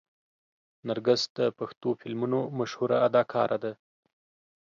نرګس د پښتو فلمونو مشهوره اداکاره ده.